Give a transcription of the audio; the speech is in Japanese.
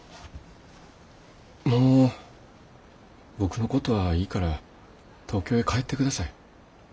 もう僕のことはいいから東京へ帰ってください。